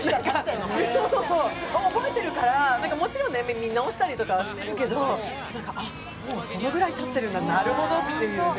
覚えているからもちろん見直したりはしてるけどもうそのくらいたってるんだ、なるほどっていうね。